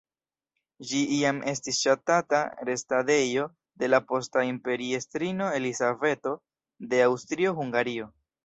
Ĝi iam estis ŝatata restadejo de la posta imperiestrino Elizabeto de Aŭstrio-Hungario.